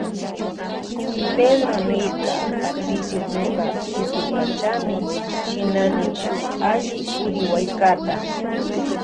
Pedró niyrka Patricio ñuka tukuypachami shinani shuk alli kuriwallkata.